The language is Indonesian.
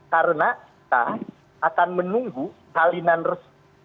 karena kita akan menunggu salinan resmi